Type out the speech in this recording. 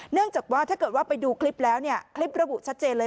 เนื่องจากว่าถ้าเกิดว่าไปดูคลิปแล้วเนี่ยคลิประบุชัดเจนเลย